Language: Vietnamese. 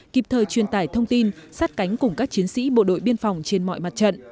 kịp thời truyền tải thông tin sát cánh cùng các chiến sĩ bộ đội biên phòng trên mọi mặt trận